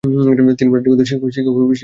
তিনি প্রাগে গণিতের শিক্ষক হিসেবে চাকরি পান।